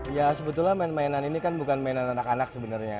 ya sebetulnya main mainan ini kan bukan mainan anak anak sebenarnya